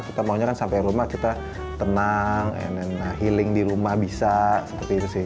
kita maunya kan sampai rumah kita tenang healing di rumah bisa seperti itu sih